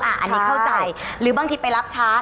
อันนี้เข้าใจหรือบางทีไปรับช้า